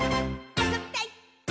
あそびたい！